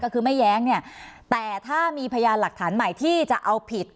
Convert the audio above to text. ก็คือไม่แย้งเนี่ยแต่ถ้ามีพยานหลักฐานใหม่ที่จะเอาผิด